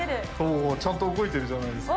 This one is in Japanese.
おちゃんと動いてるじゃないですか。